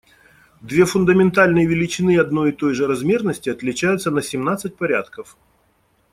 Две фундаментальные величины одной и той же размерности отличаются на семнадцать порядков.